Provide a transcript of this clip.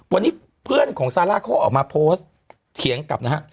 วันนี้เพื่อนของซาร่าเขาออกมาโพสต์เถียงกลับนะฮะ